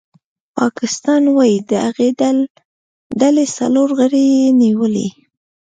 پاکستان وايي د هغې ډلې څلور غړي یې نیولي